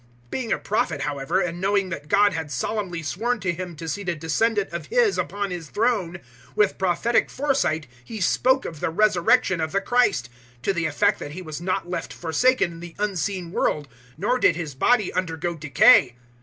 002:030 Being a Prophet, however, and knowing that God had solemnly sworn to him to seat a descendant of his upon his throne, 002:031 with prophetic foresight he spoke of the resurrection of the Christ, to the effect that He was not left forsaken in the Unseen World, nor did His body undergo decay.